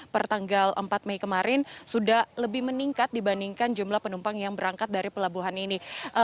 pertanggal empat mei kemarin sudah lebih meningkat dibandingkan jumlah penumpang yang berangkat dari pelabuhan ini